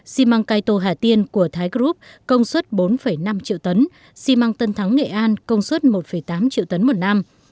xi măng caito hà tiên của thái group công suất bốn năm triệu tấn xi măng tân thắng nghệ an công suất một tám triệu tấn một năm